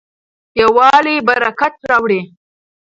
یووالی برکت راوړي.